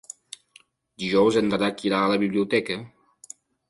Dijous en Drac irà a la biblioteca.